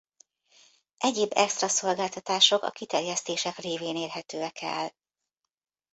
Egyéb extra szolgáltatások a kiterjesztések révén érhetően el.